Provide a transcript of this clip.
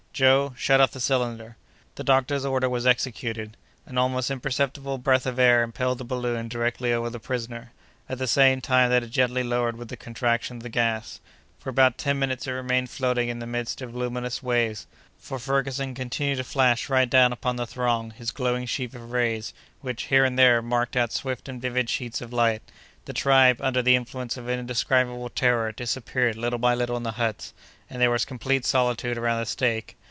"Joe, shut off the cylinder!" The doctor's order was executed. An almost imperceptible breath of air impelled the balloon directly over the prisoner, at the same time that it gently lowered with the contraction of the gas. For about ten minutes it remained floating in the midst of luminous waves, for Ferguson continued to flash right down upon the throng his glowing sheaf of rays, which, here and there, marked out swift and vivid sheets of light. The tribe, under the influence of an indescribable terror, disappeared little by little in the huts, and there was complete solitude around the stake.